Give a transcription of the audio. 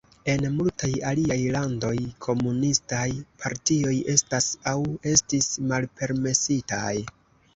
En multaj aliaj landoj, komunistaj partioj estas aŭ estis malpermesitaj.